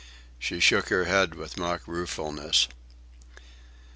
She shook her head with mock ruefulness.